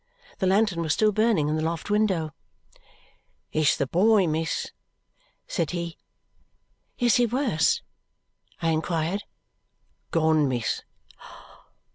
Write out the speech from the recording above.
The lantern was still burning in the loft window. "It's the boy, miss," said he. "Is he worse?" I inquired. "Gone, miss.